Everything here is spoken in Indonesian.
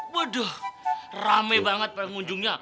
waduh rame banget pengunjungnya